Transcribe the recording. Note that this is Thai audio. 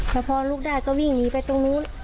แต่พรลุกได้ก็ว่ามิกล้อนไปตรงนู้น